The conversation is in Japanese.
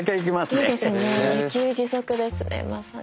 自給自足ですねまさに。